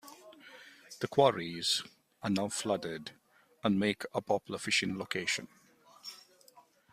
The quarries are now flooded and make a popular fishing location.